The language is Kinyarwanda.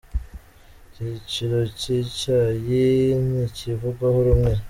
Igiciro cy’icyayi ntikivugwaho rumwe